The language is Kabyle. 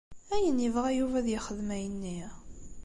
Ayen yebɣa Yuba ad yexdem ayen-nni?